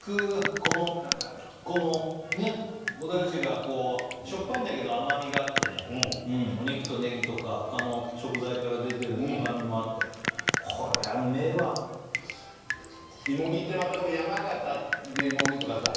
このこのねっお出汁がこうしょっぱいんだけど甘みがあってねお肉とネギとか他の食材から出てる旨みもあってこれはうめえわ芋煮ってまた山形で芋煮とかさ